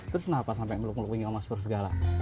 terus kenapa sampe melukung lukungi mas pur segala